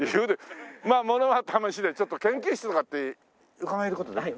まあ物は試しでちょっと研究室とかって伺える事できますか？